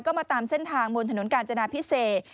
ก็มาตามเส้นทางบนถนนกาญจนาพิเศษ